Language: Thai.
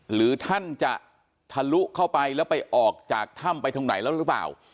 หรือท่านจะทะลุเข้าไปแล้วไปออกจากถ้ำไปตรงไหนแล้วหรือเปล่า